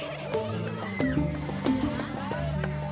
setelah berjalan ke jawa barat